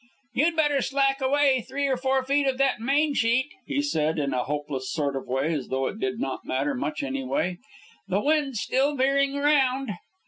"You'd better slack away three or four feet of that main sheet," he said in a hopeless sort of way, as though it did not matter much anyway. "The wind's still veering around.